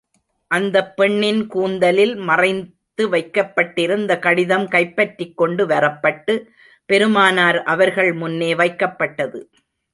அந்தப் பெண்ணின் கூந்தலில் மறைத்து வைக்கப்பட்டிருந்த கடிதம் கைப்பற்றிக் கொண்டு வரப்பட்டு, பெருமானார் அவர்கள் முன்னே வைக்கப்பட்டது.